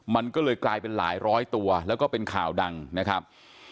มันก็เลยกลายเป็นหลายร้อยตัวแล้วก็เป็นข่าวดังนะครับ